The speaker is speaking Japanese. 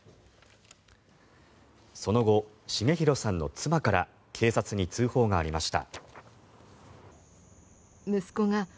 その後、重弘さんの妻から警察に通報がありました。